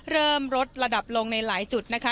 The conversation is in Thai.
เริ่มลดระดับลงในหลายจุดนะคะ